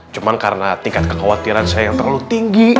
cuma karena tingkat kekhawatiran saya yang terlalu tinggi